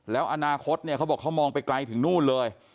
แล้วอนาคตเนี่ยเขาบอกเขามองไปไกลถึงนู่นเลย